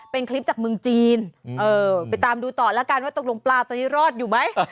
เป็นคลิปจากเมืองจีนไปตามดูต่อแล้วกันว่าตกลงปลาตัวนี้รอดอยู่ไหม